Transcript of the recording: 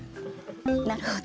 なるほど。